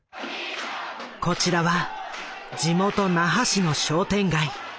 こちらは地元那覇市の商店街。